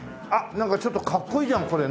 なんかちょっとかっこいいじゃんこれ。